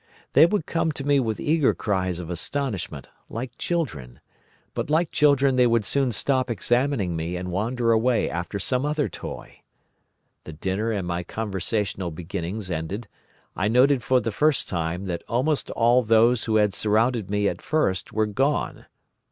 They would come to me with eager cries of astonishment, like children, but, like children they would soon stop examining me, and wander away after some other toy. The dinner and my conversational beginnings ended, I noted for the first time that almost all those who had surrounded me at first were gone.